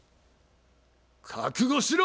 覚悟しろ！